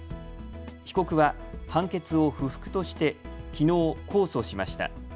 被告は判決を不服としてきのう控訴しました。